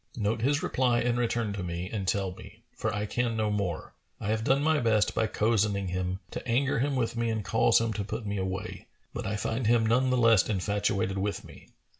Note his reply and return to me and tell me; for I can no more: I have done my best, by cozening him, to anger him with me and cause him to put me away, but I find him none the less infatuated with me.